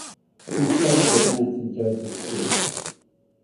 He studied at Mount St Joseph School.